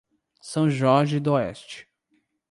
São Jorge d'Oeste